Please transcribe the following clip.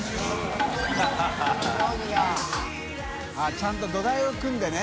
ちゃんと土台を組んでね。